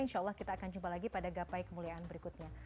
insya allah kita akan jumpa lagi pada gapai kemuliaan berikutnya